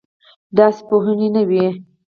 داسې پوهنې نه وې.